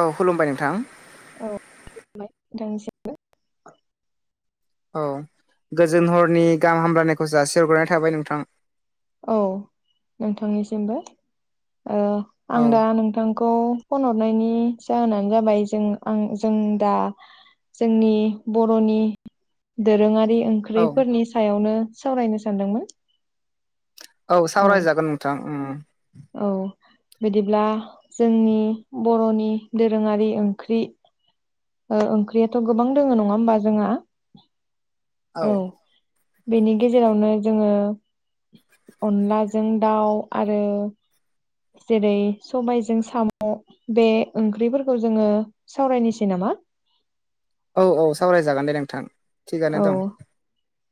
औ खुलुमबाय नोंथां औ [unintelligible] बाय नोंथांनिसिम औ गोजोन हरनि गाहाम हामलायनायखौ जासि हरग्रोनाय थाबाय नोंथां औ नोंथांनिसिमबो आं औ दा नोंथां खौ फन हरनायनि जाहोनानो जाबाय जों आं जों दा जोंनि बर'नि दोरोङारि ओं औ ओंख्रैफोरनि सायावनो सावरायनो सानदोंमोन औ सावरायजागोन नोंथां औ बिदिब्ला जोंनि बर'नि दोरोङारि ओंख्रि ओंख्रियाथ' गोबां दोङो नंङा होमबा जोंहा औ बेनि गेजेरावनो जोङो अनलाजों दाउ आरो जेरै सबायजों साम' बे ओंख्रिफोरखौ जोङो सावरायनोसै नामा औ औ सावरायजागोन दे नोंथां थिगानो औ दं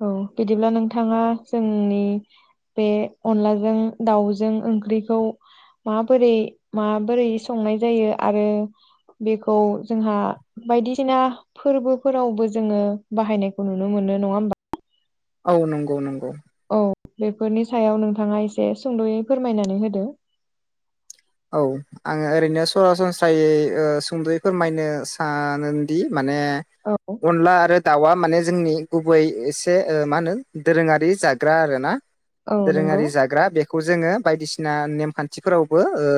औ बिदिब्ला नोंथाङा जोंनि बे अनलाजों दाउजों ओंख्रिखौ माबोरै माबोरै संनाय जायो आरो बेखौ जोंहा बायदिसिना फोरबोफोरावबो जोङो बाहायनायखौ नुनो मोनो नङा होमबा औ नंगौ नंगौ औ बेफोरनि सायाव नोंथाङा एसे सुंद'यै फोरमायनानै होदो औ आङो ओरैनो सरासनस्रायै ओ सुंद'यै फोरमायनो सानोदि माने औ अनला आरो दाउआ माने जोंनि गुबै एसे ओ मा होनो दोरोङारि जाग्रा आरो ना औ नंगौ दोरोङारि जाग्रा बेखौ जोङो बायदिसिना नेमखान्थिफोरावबो ओ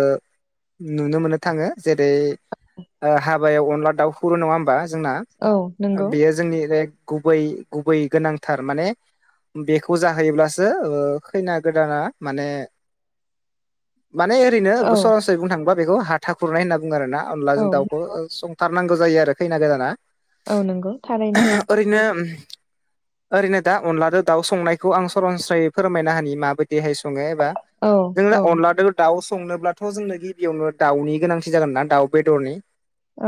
नुनो मोननो थाङो जेरै ओ हा बायाव अनला दाउ हुरो नङा होमबा जोंना औ नंगौ बेयो जोंनि एर गुबै गुबै गोनांथार माने बेखौ जाहोयोब्लासो खैना गोदाना माने माने ओरैनो [unintelligible] औ बुंनो थांङो बा बेखौ हाथा खुरनाय होनना बुङो आरोना अनला औ जों दाउखौ थारनांगौ जायो आरो खैना गोदाना औ नंगौ थारैनो ओरैनो ओरैनो दा अनलाजों दाउ संनायखौ आं सरनस्रायै फोरमायना होनि माबायदिहाय सङो एबा औ जों औ अनलादो दाव संनोब्लाथ' जोंनो गिबियावनो दाउनि गोनांथि जागोन ना दाउ बेदरनि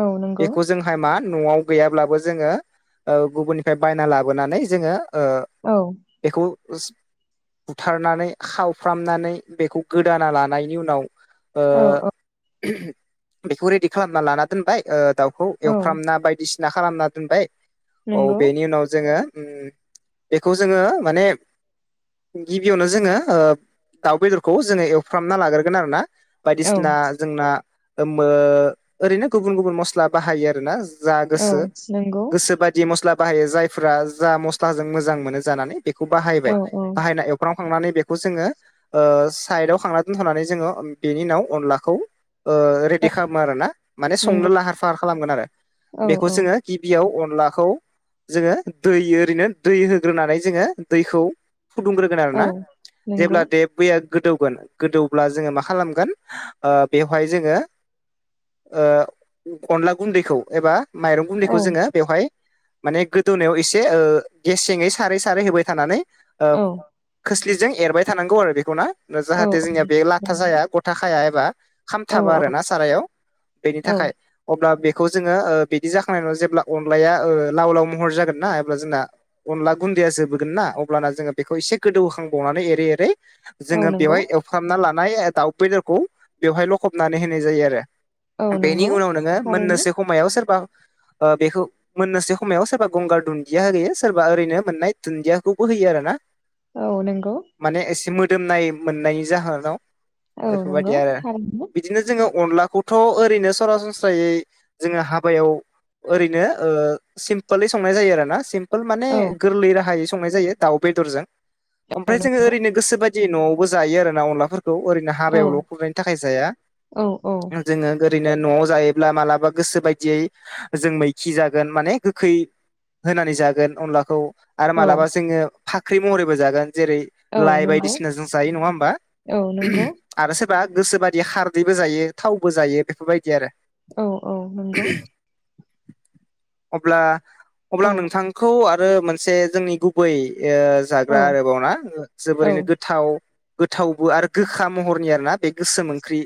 औ नंगौ बेखौ जोंहा मा न'आव गैयाब्लाबो जोङो ओ गुबुननिफ्राय बायना लाबोनानै जोङो ओ औ बेखौ बुथारनानै खावफ्रामनानै बेखौ गोदाना लानाय नि उनाव ओ औ बेखौ रेडि खालामना लाना दोनबाय ओ दाउ खौ औ एवफ्रामना बायदिसिना खालामना दोनबाय औ नंगौ बेनि उनाव जोङो बेखौ जोङो माने गिबियावनो जोङो ओ दाउ बेदरखौ जोङो एवफ्रामना लागोर खोनादोंना औ बायदिसिना जोंना ओ मो ओरैनो गुबुन गुबुन मस्ला बाहायो आरोना जा औ गोसो नंगौ गोसो बाय दि मस्ला बाहायो जायफ्रा जा मस्लाजों मोजां मोनो जानानै बेखौ औ बाहायबाय औ बाहायनाय फ्रामखांनानै बेखौ जोङो ओ सायदाव दोनथ'नानै जोङो बेनि उनाव अनलाखौ ओ औ रेदि खामो आरोना माने नंगौ संनो लाहार फार खालामगोन आरो औ बेखौ औ जोङो गिबियाव अनलाखौ जोङो दै ओरैनो दै होग्रोनानै जोङो दैखौ फुदुंग्रोगोन आरो औ ना नंगौ जेब्ला दे बैया गोदौगोन गोदौ ब्ला जोङो मा खालामगोन ओ बेवहाय जोङो ओ अनला गुन्दैखौ एबा माइरं औ गुन्दैखौ जोङो बेवहाय माने गोदौनायाव एसे ओ गेसेङै सारै सारै होबाय थानानै ओ औ खोस्लिजों एरबाय थानांगौ आरो बेखौना औ जाहाथे जोंनिया बे लाथा जाया ग' थाखाया एबा औ खामथाबा आरोना सारायाव बेनि औ थाखाय अब्ला बेखौ जोङो ओ बिदि जाखांनायनि उनाव जेब्ला अनलाया ओ लाव लाव महर जागोनना अब्ला जोंना अनला गुन्दैया जोबोगोन ना अब्ला जोङो बेखौ एसे गोदौहोखांबावनानै एरै एरै औ जोङो नंगौ बेवहाय एवफ्रामना लानाय दाउ बेदरखौ बेवहाय लखबनानै होनाय जायो आरो औ बेनि नंगौ उनाव नोङो थारैनो मोननोसो खमायाव सोरबा ओ बेखौ मोननोसै खमायाव सोरबा गंगार दुन्दिया होयो सोरबा ओरैनो मोननाय दुन्दियाखौबो होयो आरोना औ नंगौ। माने एसे मोदोमनाय मोननायनि जाहोनाव औ नंगौ बेफोरबायदि आरो थारैनो दिनो जोङो अनलाखौथ' ओरैनो सरासनस्रायै जोङो हाबायाव ओरैनो ओ सिम्पोलै संनाय जायो आरोना सिम फोल माने औ गोरलै राहायै संनाय जायो दाउ बेदरजों औ ओमफ्राय जोङो ओरैनो गोसो बाय दि न'आवबो जायो आरोना अनलाफोरखौ ओरैनो नंगौ हाबायाव ल' खुरनायनि थाखाय जाया। औ ओ जोङो ओरैनो न'आव जायोब्ला मालाबा गोसो बायदियै जों मैखि जागोन माने गोखै होनानै जागोन अनलाखौ आरो औ मालाबा जोङो फाख्रि महरैबो जागोन जेरै औ लाइ नंगौ बायदिसिना जों जायो नङा होमबा औ नंगौ आरो सोरबा गोसोबायदियै खारदैबो जायो थावबो जायो बेफोरबादि आरो औ औ नंगौ। अब्ला अब्ला औ नोंथां। खौ आरो मोनसे जोंनि गुबै ओ औ जाग्रा आरोबाव ना औ जोबोरैनो गोथाव। थावबो आरो बे गोखा महरनि आरो ना बे गोसोम ओंख्रि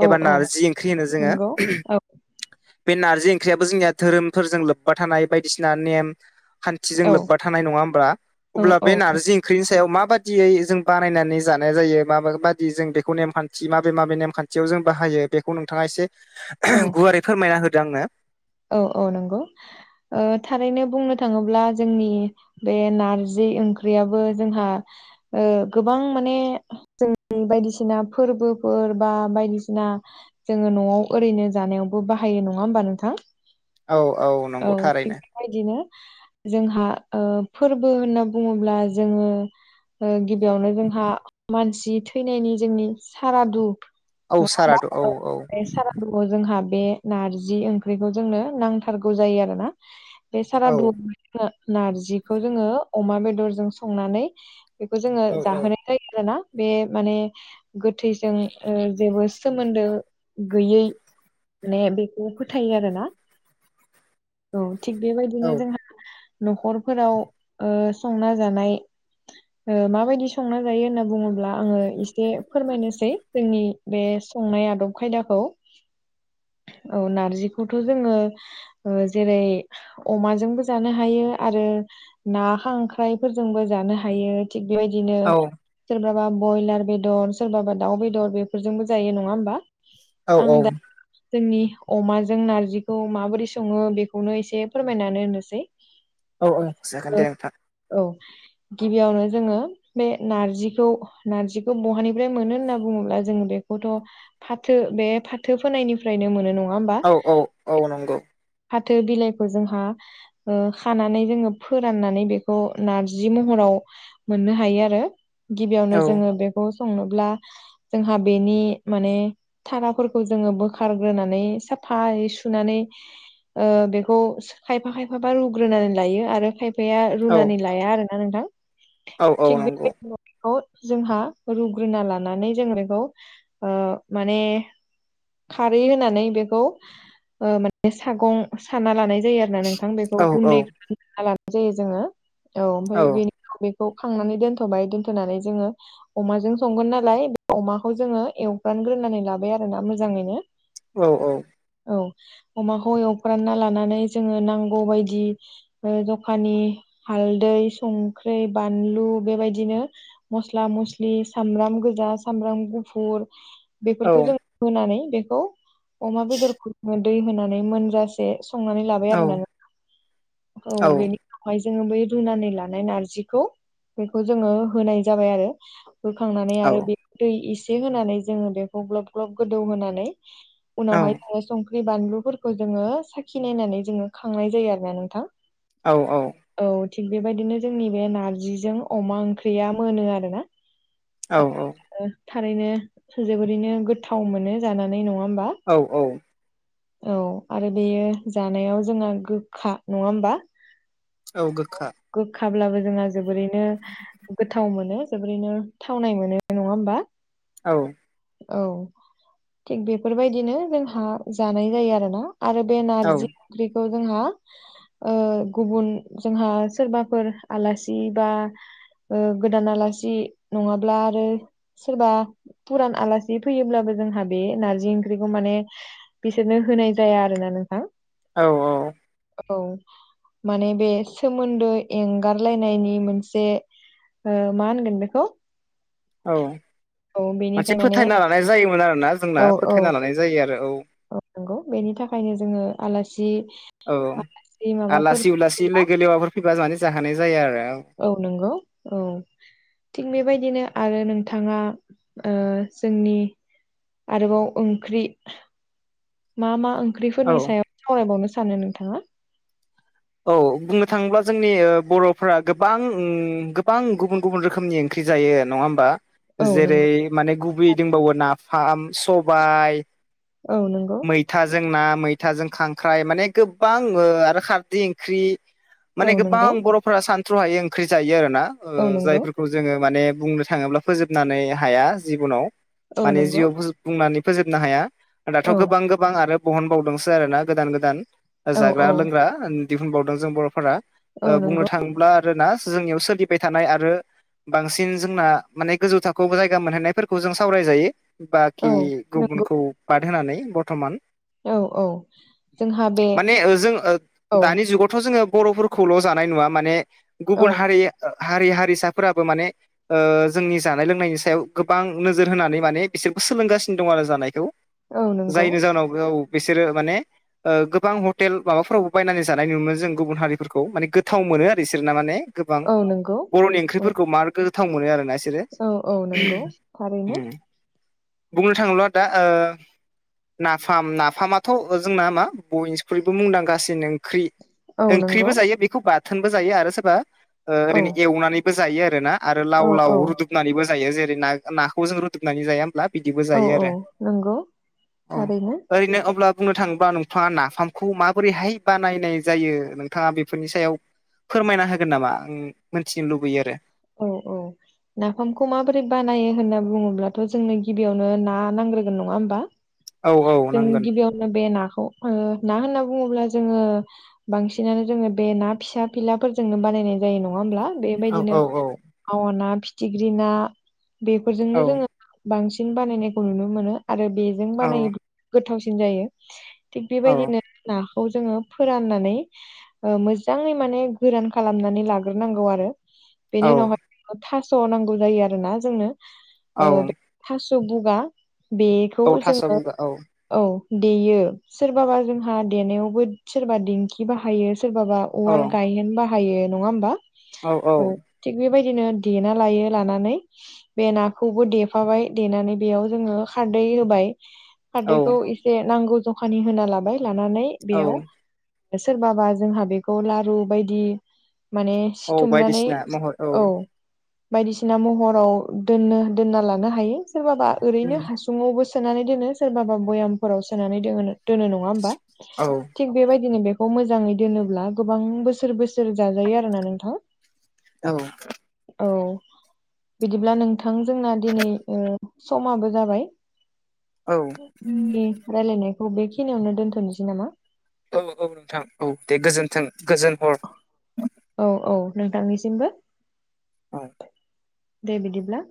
औ एबा औ नारजि ओंख्रि होनो जोङो। नंगौ औ बे नार्जि ओंख्रियाबो जोंनिया धोरोमफोरजों लोब्बा थानाय बायदिसिना नेम खानथिजों औ लोब्बा थानाय नङा होमबा औ अब्ला बे नार्जि ओंख्रिनि सायाव माबादियै जों बानायनानै जानो नाय जायो माबा बादि जों बेखौ नेमखानथि माबे माबे नेमखानथियाव जों बाहायो बेखौ नोंथाङा इसे। [inaudible] गुवारै फोरमायना होदो आंनो। औ औ नंगौ ओ थारैनो बुंनो थाङोब्ला जोंनि। बे नारजि ओंख्रियाबो जोंहा ओ गोबां माने जों बायदिसिना फोरबोफोर बा बायदिसिना जोङो न'आव ओरैनो जानायावबो बाहायो नङा होमबा नोंथां? औ औ। औ नंगौ थिग थारैनो बेबादिनो जोंहा ओ फोरबो होनना बुङोब्ला जोङो। ओ गिबियावनो जोंहा मानसि थैनायनि जोंनि सारादु औ नङा होमबा सारादु औ ओ औ बे [unintelligible] जोंहा बे नारजि ओंख्रिखौ जोंनो नांथारगौ जायो आरोना। बे औ सारादुआव नारजिखौ जोङो अमा बेदरजों संनानै। बेखौ जोङो औ जाहोनाय जायो आरोना बे माने गोथैजों ओ जेबो सोमोन्दो गैयै। माने बेखौ फोथायो आरो ना औ थिग औ बेबायदिनो जोंहा न'खरफोराव ओ संना जानाय। माबायदि संना जायो होनना बुङोब्ला आङो एसे फोरमायनोसै। जोंनि बे संनाय आदब खायदाखौ औ नार्जिखौ खौथ' जोङो ओ जेरै अमाजोंबो जानो हायो आरो ना खांख्राइफोरजोंबो जानो हायो। थिग बेबादिनो औ सोरबाबा ब्रयलार बेदर सोरबाबा दाउ बेदर बेफोरजोंबो जायो नङा होमबा? औ आं दा जोंनि अमाजों। जों नार्जिखौ माबोरै सङो बेखौनो एसे फोरमायनानै होनोसै। औ औ जागोन दे नोंथां। औ गिबियावनो जोङो। बे नारजिखौ नार्जिखौ बहानिफ्राय मोनो होनना बुङोब्ला जों बेखौथ' फाथो बे फाथो फोनायनिफ्रायनो मोनो नङा होमबा? औ औ औ नंगौ। फाथो बिलाइखौ जोंहा खानानै जोङो फोराननानै बेखौ नारजि महराव मोननो हायो आरो गिबियावनो औ जोङो बेखौ संनोब्ला। जोंहा बेनि माने थाराफोरखौ जोङो बोखारग्रोनानै फै सुनानै ओ बेखौ खायफा खायफााबा रुग्रोनानै लायो आरो खाय बेाया औ रुनानै लाया आरोना नोंथां औ औ थिग नंगौ बे खौ जोंहा रुग्रोना लानानै जों बेखौ माने। खारै होनानै बेखौ माने सागं साना लानाय जायो आरो ना नोंथां बेखौ औ औ गुन्दै [unintelligible] जायो जोङो औ ओमफ्राय बेनि बेखौ खांनानै दोनथ'बाय दोनथ'नानै जोङो। अमाजों संगोन नालाय अमाखौ जोङो एवग्रानग्रोनानै लाबाय आरोना मोजाङैनो औ औ। औ अमाखौ एवफ्रानना लानानै जोङो नांगौबायदि। जखानि हालदै संख्रि बानलु बेबायदिनो। मस्ला मस्लि सामब्राम गोजा सामब्राम गुफुर बेफोरखौ जों होनानै बेखौ अमा बेदर दै होनानै मोनजासे संनानै लाबाय औ आरोना औ बेनि ओमाय जोङो बै रुनानै लानाय नारजिखौ बेखौ जोङो होनाय जाबाय आरो होखांनानै औ आरो बे दै एसे होनानै जोङो बेखौ ग्लब ग्लब गोदौ होनानै उनावहाय संख्रि बानलुफोरखौ जोङो साखि नायनानै जोङो खांनाय जायो आरो ना नोंथां। औ औ। औ थिग बेबायदिनो जोंनि बे नारजिजों अमा ओंख्रिया मोनो आरो ना। औ थारैनो जोबोरैनो गोथाव मोनो जानानै नङा होमबा? औ औ। औ आरो बेयो जानायाव जोंहा गोखा नङा होमबा? औ गोखा। गोखाब्लाबो जोंहा जोबोरैनो गोथाव मोनो। जोबोरैनो थावनाय मोनो नङा होमबा? औ। औ थिग बेफोरबायदिनो जोंहा जानाय जायो आरोना। आरो बे औ नारजि ओंख्रिखौ जोंहा। गुबुन जोंहा सोरबाफोर आलासि बा गोदान आलासि नङाब्ला आरो सोरबा फुरान आलासि फैयोब्लाबो जोंहा बे नारजि ओंख्रिखौ माने बिसोरनो होनाय जाया आरो ना नोंथां। औ औ। औ। माने बे सोमोन्दो एंगारलायनायनि मोनसे मा होनगोन बेखौ औ औ मोनसे बेनिखाय माने फोथायना लानाय जायोमोन आरोना जोंना औ औ फोथायना लानाय जायो आरो औ। औ नांगौ बेनि थाखायनो जोङो आलासि औ आलासि माबाफोर आलासि उलासि फैयोब्ला लोगो लेवाफोर फैबा माने जाहोनाय जाया आरो औ। औ नंगौ औ। थिग बेबायदिनो आरो नोंथाङा जोंनि आरोबाव ओंख्रि मा मा औ ओंख्रिफोरनि सायाव सावरायबावनो सानो नोंथाङा। औ बुंनो थाङोब्ला जोंनि बर'फ्रा गोबां गोबां गुबुन गुबुन रोखोमनि ओंख्रि जायो नङा होमबा? औ जेरै नंगौ माने गुबै दंबावो नाफाम सबाय। औ नंगौ। मैथाजों ना मैथाजों खांख्राइ माने गोबां आरो खारदै ओंख्रि। माने औ नंगौ गोबां बर'फोरा सानथ्रु हायै ओंख्रि जायो आरो ना औ नंगौ जायफोरखौ जोङो माने बुंनो थाङोब्ला फोजोबनानै हाया जिबनाव औ माने जिउआव नंगौ फोजोब बुंनानै फोजोबनो हाया दाथ औ गोबां गोबां आरो बहनबावदोंसो आरोना गोदान गोदान। औ जाग्रा औ लोंग्रा दिहुनबावदों जों बर'फोरा औ बुंनो नंगौ थाङोब्ला। आरोना जोंनियाव सोलिबाय थानाय आरो बांसिन जोंना माने गोजौ थाखोआव जायगा मोनहैनायफोरखौ जों सावरायजायो। औ बाखि नंगौ गुबुनखौ बादहोनानै बरथमान। औ औ जोंहा बे माने जों औ दानि जुगावथ जोङो बर'फोरखौ खौल जानाय नुङा माने औ गुबुन हारि हारि हारिसाफोराबो माने जोंनि जानाय लोंनायनि सायाव गोबां नोजोर होनानै माने बिसोरबो सोलोंगासिनो दं आरो जानायखौ। औ नंगौ जायनि जाहोनाव औ बिसोरो माने ओ गोबां हटेल माबाफोरावबो बायनानै जानाय नुनो मोनो जों गुबुन हारिफोरखौ माने गोथाव मोनो आरो इसोर ना माने गोबां औ नंगौ बर'नि औ ओंख्रिफोरखौ मार गोथाव मोनो आरोना इ सोरो औ औ नंगौ थारैनो बुंनो थाङोब्ला दा ओ नाफाम नाफामाथ जोंना मा बयनिख्रुयबो मुंदांखासिन ओंख्रि औ नंगौ ओंख्रिबो जायो बेखौ बाथोनबो जायो आरो सोरबा। ओ औ ओरैनो एवनानैबो जायो आरोना आरो औ लाव औ लाव रुदुबनानैबो जायो जेरै ना नाखौ जों रुदुबनानै जायो होमब्ला बिदिबो औ जायो औ आरो नंगौ औ थारैनो ओरैनो अब्ला बुंनो थाङोब्ला नोंथाङा नाफामखौ माबोरैहाय बानायनाय जायो नोंथाङा बेफोरनि सायाव फोरमायना होगोन नामा आं मोनथिनो लुबैयो आरो औ औ नाफामखौ माबोरै बानायो होनना बुङोब्लाथ जोंनो गिबियावनो ना नांग्रोगोन नङा होमबा आरो औ औ जों नांगोन गिबियावनो बे नाखौ ओ ना होनना बुङोब्ला जोङो बांसिनानो जोङो बे ना फिसा फिलाफोरजोंनो बानायनाय जायो नङा होमब्ला औ बेबायदिनो औ औ मावा ना फिथिख्रि ना बेफोरजोंनो औ जोङो बांसिन बानायनायखौ नुनो मोनो आरो बेजों औ बानायोब्ला गोथावसिन जायो थिग औ बेबायदिनो नाखौ जोङो फोराननानै ओ मोजाङै माने गोरान खालामनानै लाग्रोनांगौ आरो बेनि औ उनावहाय थास नांगौ जायो आरोना जोंनो औ बे ओ थास बुगा बेखौ औ थास' जोङो बुगा औ औ देयो सोरबाबा जोंहा देनायावबो सोरबा दिंखि बाहायो सोरबाबा औ उवाल गायहेन बाहायो नङा होमबा औ औ थिग बेबायदिनो देना लायो लानानै बे नाखौबो देफाबाय देनानै बेयाव जोङो खारदै होबाय खारदैखौ औ एसे नांगौ जखानि होना लाबाय लानानै औ बेयाव सोरबाबा जोंहा बेखौ लारु बायदि माने औ सिथुमनानै बायदिसिना महर औ बायदिसिना महराव दोननो दोनना लानो हायो सोरबाबा ओरैनो हासुावबो सोनानै दोनो सोरबाबा भयामफोराव सोनानै दोनो दोनो नङा होमबा औ थिग बेबायदिनो बेखौ मोजाङै दोनोब्ला गोबां बोसोर बोसोर जाजायो आरोना नोंथां औ औ बिदिब्ला नोंथां जोंना दिनै ओ समाबो जाबाय औ जोंनि रायलायनायखौ बेखिनियावनो दोनथनोसै नामा औ औ नोंथां औ दे गोजोन्थों गोजोन हर औ औ नोंथांनिसिमबो औ दे बिदिब्ला